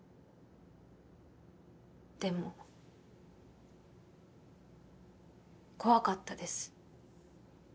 でも怖かったです